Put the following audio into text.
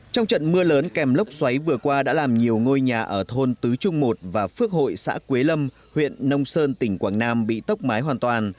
trong trận mưa lớn kèm lốc xoáy vừa qua đã làm nhiều ngôi nhà ở thôn tứ trung một và phước hội xã quế lâm huyện nông sơn tỉnh quảng nam bị tốc mái hoàn toàn